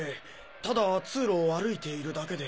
ただ通路を歩いているだけで。